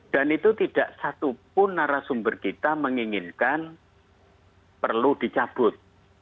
dan itu tidak satu pun narasumber kita menginginkan perlu dicabut